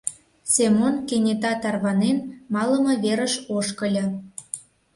Семон, кенета тарванен, малыме верыш ошкыльо.